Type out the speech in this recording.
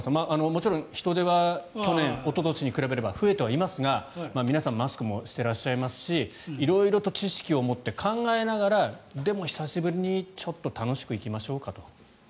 もちろん人出は去年、おととしに比べれば増えてはいますが皆さんマスクもしていらっしゃいますし色々と知識を持って考えながらでも、久しぶりにちょっと楽しく行きましょうかと。